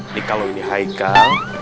ini kalau ini hai kal